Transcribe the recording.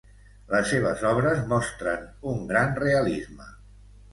Les seves obres mostra un gran realisme.